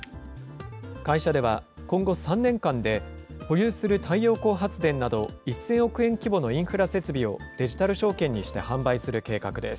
会社では、今後３年間で、保有する太陽光発電など、１０００億円規模のインフラ設備をデジタル証券にして販売する計画です。